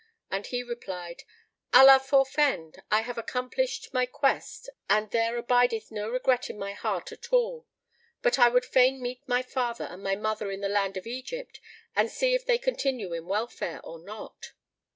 And he replied, "Allah forfend! I have accomplished my quest and there abideth no regret in my heart at all: but I would fain meet my father and my mother in the land of Egypt and see if they continue in welfare or not."